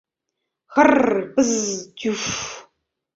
— Хр-р... пыз-з... тьув-в...